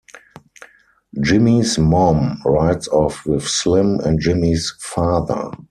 Jimmy's mom rides off with Slim and Jimmy's father.